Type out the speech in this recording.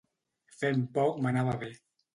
Fent poc m'anava bé.